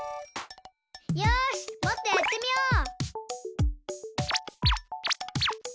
よしもっとやってみよう！